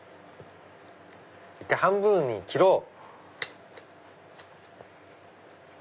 １回半分に切ろう。